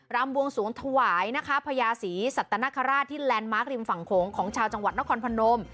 รำบวงสวงถวายนะคะพญาศรีสัตนคราชที่แลนด์มาร์คริมฝั่งโขงของชาวจังหวัดนครพนม